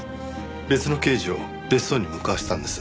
別の刑事を別荘に向かわせたんです。